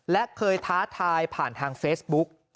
และเคยท้าทายผ่านทางเฟซบุ๊ก